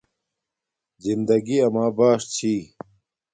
زندگی اما باݽ چھی